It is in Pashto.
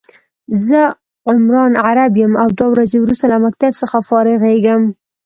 زه عمران عرب يم او دوه ورځي وروسته له مکتب څخه فارغيږم